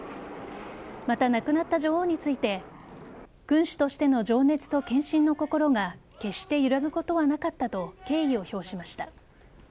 また、亡くなった女王について君主としての情熱と献身の心が決して揺らぐことはなかったと敬意を表しました。